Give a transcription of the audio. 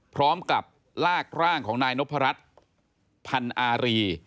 พร้อมกับลากร่างของนายนพรัชพันอารี